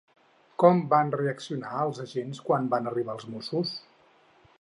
Com van reaccionar els agents quan van arribar els Mossos?